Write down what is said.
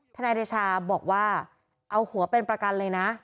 ทนายเดชาบอกว่าเอาหัวเป็นประกันเลยนะ